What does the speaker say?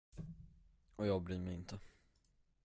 Och jag bryr mig inte.